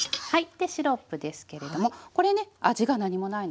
でシロップですけれどもこれね味が何もないのでね